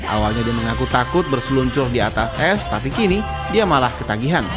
awalnya dia mengaku takut berseluncur di atas es tapi kini dia malah ketagihan